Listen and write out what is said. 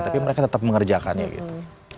tapi mereka tetap mengerjakannya gitu